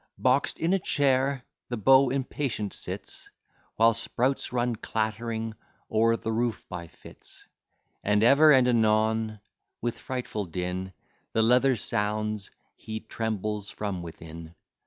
Box'd in a chair the beau impatient sits, While spouts run clattering o'er the roof by fits, And ever and anon with frightful din The leather sounds; he trembles from within.